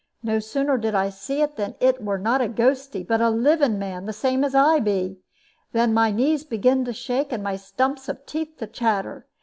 No sooner did I see that it were not a ghostie, but a living man the same as I be, than my knees begins to shake and my stumps of teeth to chatter.